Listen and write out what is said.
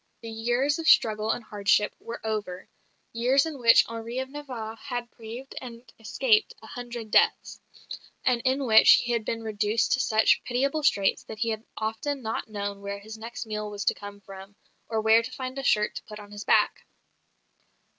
The years of struggle and hardship were over years in which Henri of Navarre had braved and escaped a hundred deaths; and in which he had been reduced to such pitiable straits that he had often not known where his next meal was to come from or where to find a shirt to put on his back.